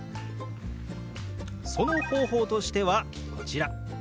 その方法としてはこちら。